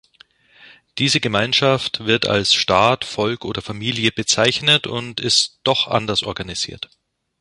Diese Gemeinschaft wird als Staat, Volk oder Familie bezeichnet und ist doch anders organisiert.